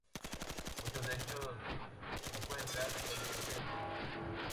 Muchos de ellos se encuentran actualmente en ruinas.